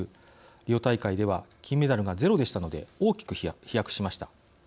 リオ大会では金メダルが０でしたので大きく飛躍しました。